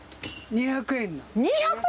２００円？